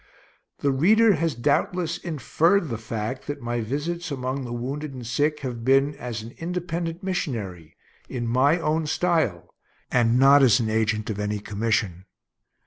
The reader has doubtless inferred the fact that my visits among the wounded and sick have been as an independent missionary, in my own style, and not as an agent of any commission.